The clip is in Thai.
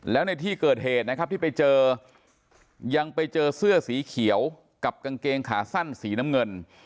แล้วในที่เกิดเหตุนะครับที่ไปเจอยังไปเจอเสื้อสีเขียวกับกางเกงขาสั้นสีน้ำเงิน